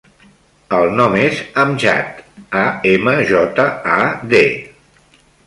El nom és Amjad: a, ema, jota, a, de.